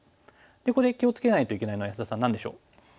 ここで気を付けないといけないのは安田さん何でしょう？